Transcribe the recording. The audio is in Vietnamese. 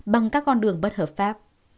bằng các con đường bất hợp pháp